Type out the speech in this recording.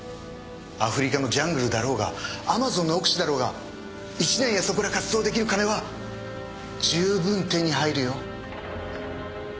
アフリカのジャングルだろうがアマゾンの奥地だろうが１年やそこら活動できる金は十分手に入るよ。